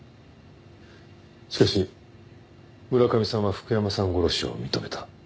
しかし村上さんは福山さん殺しを認めた。